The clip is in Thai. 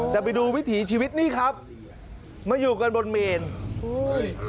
แต่ไปดูวิถีชีวิตนี่ครับมาอยู่กันบนเมนอุ้ย